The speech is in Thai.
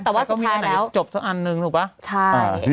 แต่ว่าสุดท้ายแล้วแต่ก็มีอันไหนจบเท่าอันหนึ่งถูกปะใช่อ่า